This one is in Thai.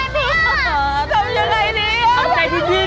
แม่จ๋าว่าจะเป็นฮันมีด